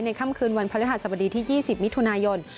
ค่ำคืนวันพระฤหัสบดีที่๒๐มิถุนายน